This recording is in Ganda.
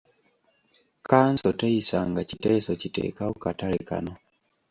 Kkanso teyisanga kiteeso kiteekawo katale kano.